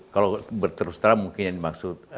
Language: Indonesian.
kalau berterus terang mungkin yang dimaksud